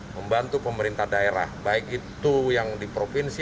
membantu pemerintah daerah baik itu yang di provinsi